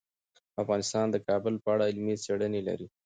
افغانستان د کابل په اړه علمي څېړنې لري.